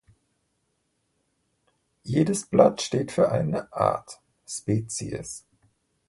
Jedes Blatt steht für eine Art (Spezies).